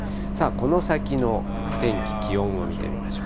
この先の天気、気温を見てみましょう。